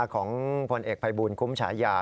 ของพลเอกภัยบูลคุ้มฉายา